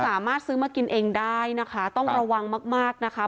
สามารถซื้อมากินเองได้นะคะต้องระวังมากมากนะคะ